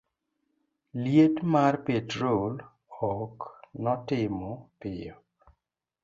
liet mar petrol ok notimo piyo